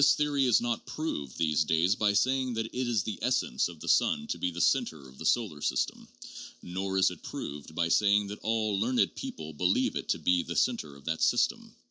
452 THE JOURNAL OF PHILOSOPHY these days by saying that it is the essence of the sun to be the center of the solar system. Nor is it proved by saying that all learned people believe it to be the center of that system.